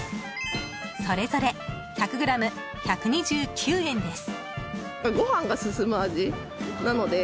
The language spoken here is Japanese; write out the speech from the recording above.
それぞれ１００ｇ１２９円です。